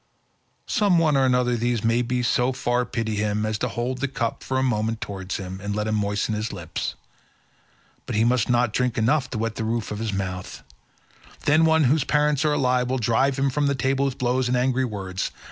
Some one or other of these may so far pity him as to hold the cup for a moment towards him and let him moisten his lips, but he must not drink enough to wet the roof of his mouth; then one whose parents are alive will drive him from the table with blows and angry words.